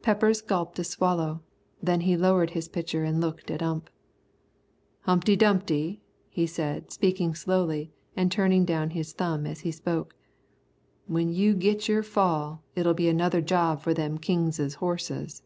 Peppers gulped a swallow, then he lowered his pitcher and looked at Ump. "Humpty Dumpty," he said, speaking slowly and turning down his thumb as he spoke, "when you git your fall, it'll be another job for them king's horses."